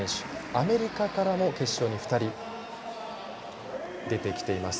アメリカからも決勝に２人出てきています。